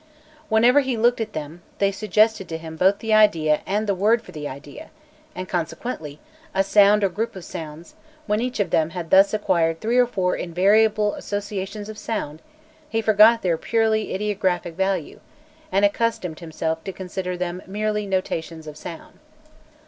Whenever he looked at them, they suggested to him both the idea and the word for the idea, and consequently a sound or group of sounds; when each of them had thus acquired three or four invariable associations of sound, he forgot their purely ideographic value and accustomed himself to consider them merely as notations of sound.